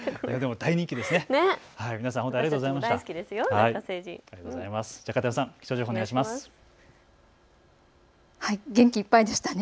大人気ですね。